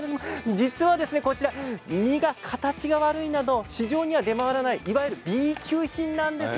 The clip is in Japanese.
実はこちら実の形が悪いなど市場には出回らないいわゆるＢ級品なんです。